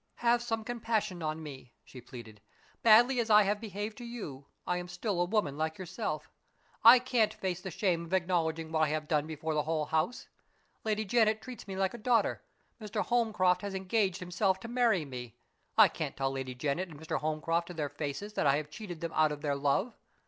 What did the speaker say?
"Have some compassion on me!" she pleaded. "Badly as I have behaved to you, I am still a woman like yourself. I can't face the shame of acknowledging what I have done before the whole house. Lady Janet treats me like a daughter; Mr. Holmcroft has engaged himself to marry me. I can't tell Lady Janet and Mr. Holmcroft to their faces that I have cheated them out of their love.